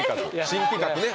新企画ね